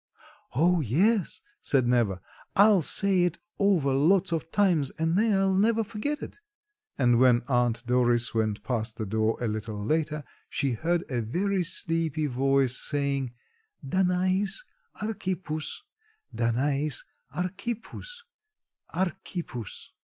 "Oh, yes," said Neva, "I'll say it over lots of times and then I'll never forget it," and when Aunt Doris went past the door a little later she heard a very sleepy voice saying "Danais Archippus, Danais Archippus, Archippus."